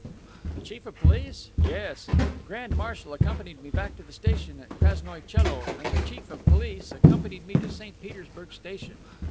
"The Chief of Police? Yes. The grand marshal accompanied me back to the station at Krasnoie Coelo, and the Chief of Police accompanied me to St. Petersburg station.